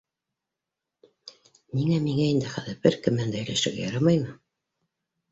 Ниңә, миңә инде хәҙер бер кем менән дә һөйләшергә ярамаймы?